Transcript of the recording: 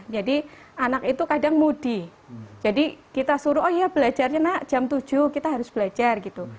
jadi anak itu kadang mudi jadi kita suruh oh iya belajarnya nak jam tujuh kita harus belajar gitu